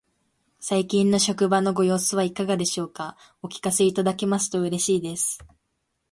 最近の職場のご様子はいかがでしょうか。お聞かせいただけますと嬉しいです。